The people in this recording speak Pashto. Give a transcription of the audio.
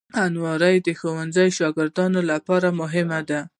الماري د ښوونځي شاګردانو لپاره مهمه ده